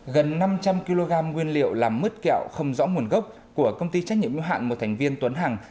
gần năm trăm linh kg nguyên liệu làm mứt kẹo không rõ nguồn gốc của công ty trách nhiệm ưu hạn một thành viên tuấn hằng